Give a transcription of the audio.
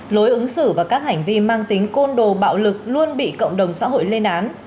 lối ứng xử và các hành vi mang tính côn đồ bạo lực luôn bị cộng đồng xã hội lên án